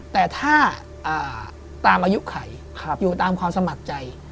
แต่ถ้าตามอายุไขอยู่ตามความสมัครใจ